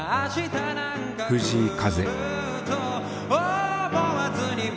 藤井風。